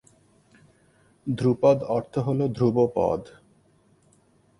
ধ্রুপদ অর্থ হলো ধ্রুব পদ।